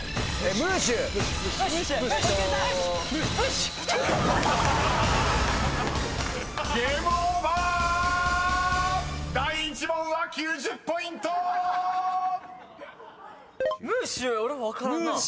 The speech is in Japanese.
ムーシュー俺も分からんなぁ。